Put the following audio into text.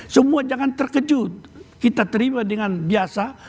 semua jangan terkejut kita terima dengan biasa